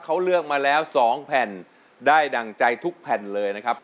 เขาเลือกมาแล้ว๒แผ่นได้ดั่งใจทุกแผ่นเลยนะครับ